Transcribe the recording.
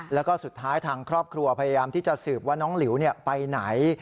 แล้วก็สุดท้ายทางครอบครัวพยายามที่จะสืบว่าน้องหลิวไปไหน